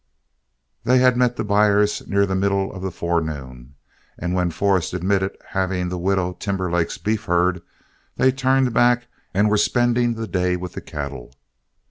They had met the buyers near the middle of the forenoon, and when Forrest admitted having the widow Timberlake's beef herd, they turned back and were spending the day with the cattle.